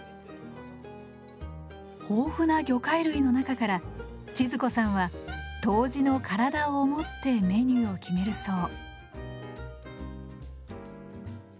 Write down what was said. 豊富な魚介類の中から千鶴子さんは杜氏の体を思ってメニューを決めるそう。